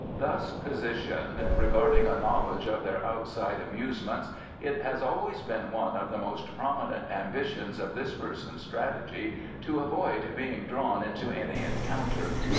Thus positioned, regarding a knowledge of their outside amusements, it has always been one of the most prominent ambitions of this person's strategy to avoid being drawn into any encounter.